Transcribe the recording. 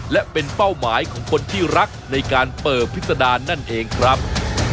และเป็นเป้าหมายของคนที่รักในการเปิดพิษดารนั่นเองครับ